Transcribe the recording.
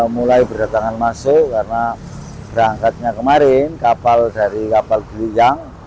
mulai berdatangan masuk karena berangkatnya kemarin kapal dari kapal geliyang